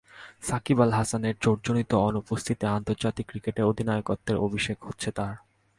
সাকিব আল হাসানের চোটজনিত অনুপস্থিতিতে আন্তর্জাতিক ক্রিকেটে অধিনায়কত্বের অভিষেক হচ্ছে তাঁর।